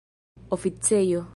oficejo